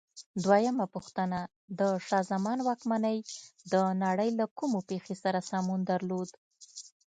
دویمه پوښتنه: د شاه زمان واکمنۍ د نړۍ له کومې پېښې سره سمون درلود؟